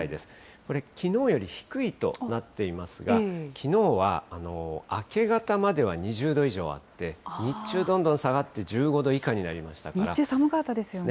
これ、きのうより低いとなっていますが、きのうは明け方までは２０度以上あって、日中どんどん下がって１５度以下になりましたか日中、寒かったですよね。